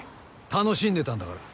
楽しんでたんだから。